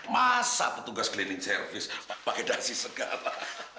masa petugas cleaning service pakai dasi segala